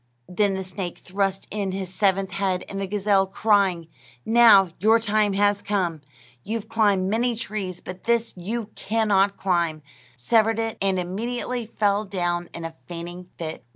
Then the snake thrust in his seventh head, and the gazelle, crying: "Now your time has come; you've climbed many trees, but this you can not climb," severed it, and immediately fell down in a fainting fit.